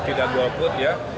tidak dual put ya